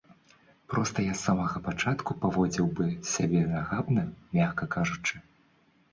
Проста я з самага пачатку паводзіў бы сябе нахабна, мякка кажучы.